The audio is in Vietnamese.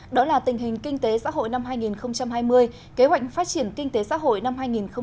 đó là tình hình kinh tế xã hội năm hai nghìn hai mươi kế hoạch phát triển kinh tế xã hội năm hai nghìn hai mươi một